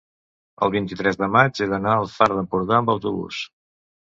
el vint-i-tres de maig he d'anar al Far d'Empordà amb autobús.